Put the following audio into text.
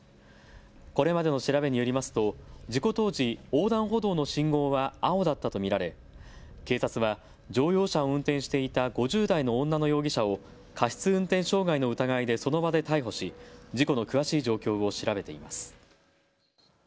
これまでの調べによりますと事故当時、横断歩道の信号は青だったと見られ警察は乗用車を運転していた５０代の女の容疑者を過失運転傷害の疑いでその場で逮捕し事故の詳しい状況を調べています。